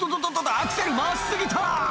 アクセル回し過ぎた！」